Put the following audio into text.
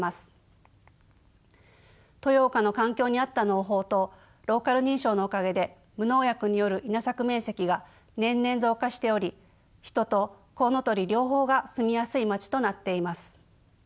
豊岡の環境に合った農法とローカル認証のおかげで無農薬による稲作面積が年々増加しており人とコウノトリ両方が住みやすい町となっています。